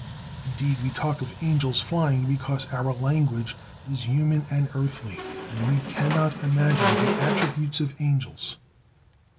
Indeed, we talk of angels "flying" because our language is human and earthly, and we cannot imagine the attributes of angels.